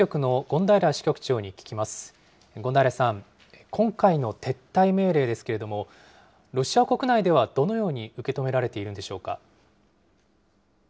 権平さん、今回の撤退命令ですけれども、ロシア国内ではどのように受け止められているんでしょうか。